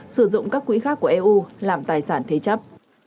sử dụng các quỹ khác của eu làm tài sản thế chấp